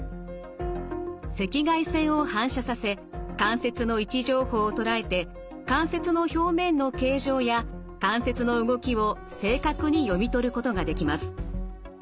赤外線を反射させ関節の位置情報を捉えて関節の表面の形状や関節の動きを正確に読み取ることができます。